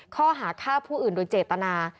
ข้อหาฆ่าผู้อื่นโดยเจตนา